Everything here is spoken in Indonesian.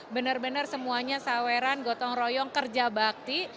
benar benar semuanya saweran gotong royong kerja bakti